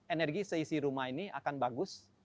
energi seisi rumah ini akan bagus